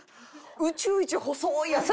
宇宙一細いやつだ。